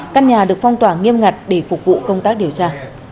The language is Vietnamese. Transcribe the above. căn nhà được phong tỏa nghiêm ngặt để phục vụ công tác điều tra